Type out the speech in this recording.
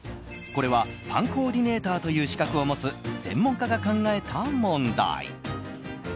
これはパンコーディネーターという資格を持つ専門家が考えた問題。